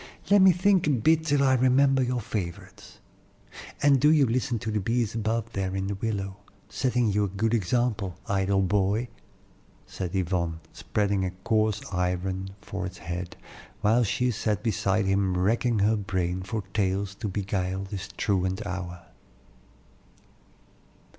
"Let me think a bit till I remember your favorites, and do you listen to the bees above there in the willow, setting you a good example, idle boy," said Yvonne, spreading a coarse apron for his head, while she sat beside him racking her brain for tales to beguile this truant hour.